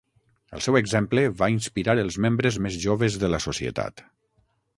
El seu exemple va inspirar els membres més joves de la societat.